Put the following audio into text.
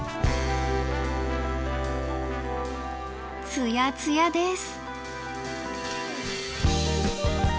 ツヤツヤです。